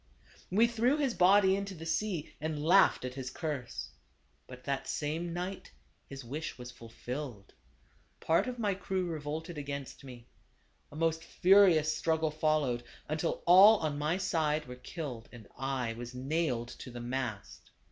" We threw his body into the sea, and laughed at his curse. But that same night his wish was fulfilled. Part of my crew revolted against me. 124 THE CAB AVAN. A most furious struggle followed, until all on my side were killed, and I was nailed to the mast.